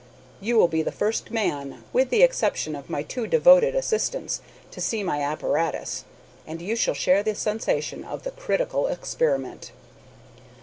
You will be the first man, with the exception of my two devoted assistants, to see my apparatus, and you shall share the sensation of the critical experiment."